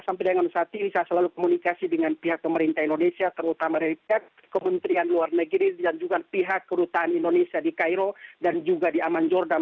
sampai dengan saat ini saya selalu komunikasi dengan pihak pemerintah indonesia terutama dari pihak kementerian luar negeri dan juga pihak kedutaan indonesia di cairo dan juga di aman jordan